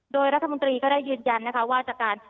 โดยรัฐมนตรีก็ได้ยืนยันนะคะว่าจากการ